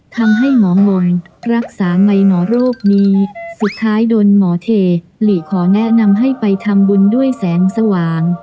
ทำให้หมองอนรักษาในหมอโรคนี้สุดท้ายโดนหมอเทหลีขอแนะนำให้ไปทำบุญด้วยแสงสว่าง